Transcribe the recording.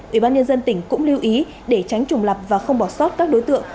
ủy ban nhân dân tỉnh cũng lưu ý để tránh trùng lập và không bỏ sót các đối tượng